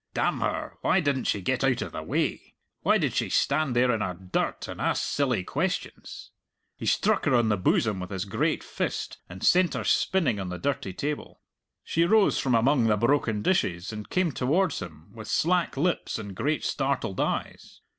Damn her, why didn't she get out of the way? why did she stand there in her dirt and ask silly questions? He struck her on the bosom with his great fist, and sent her spinning on the dirty table. She rose from among the broken dishes and came towards him, with slack lips and great startled eyes.